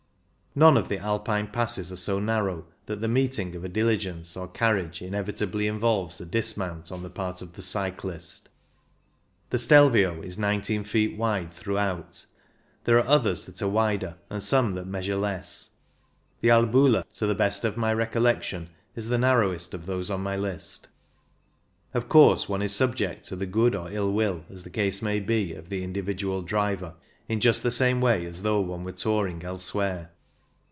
None of the Alpine passes are so narrow that the meeting of a diligence or carriage inevitably involves a dismount on the part of the cyclist. The Stelvio is nineteen feet wide throughout ; there are others that are wider, and some that measure less. The Albula, to the best of my recollection, is the narrowest of those on my list. Of course one is subject to the good or ill will, as the case may be, of the individual driver, in just the same way as though one were touring elsewhere.